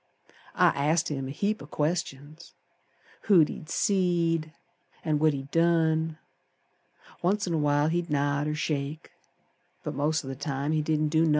I asked him a heap o' questions; Who he'd seed An' what he'd done. Once in a while he'd nod or shake, But most o' th' time he didn't do nothin'.